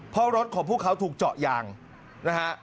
เพราะรถของพวกเขาถูกเจาะยางนะฮะ